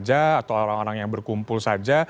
atau orang orang yang berkumpul saja